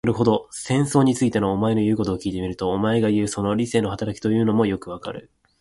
なるほど、戦争について、お前の言うことを聞いてみると、お前がいう、その理性の働きというものもよくわかる。